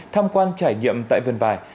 tham quan trải nghiệm tại vườn vải